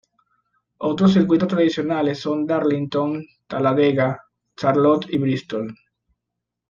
Otros circuitos tradicionales son Darlington, Talladega, Charlotte y Bristol.